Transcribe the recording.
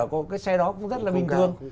cái xe đó cũng rất là bình thường